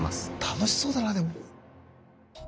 楽しそうだなでも。